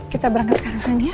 kita berangkat sekarang sayang ya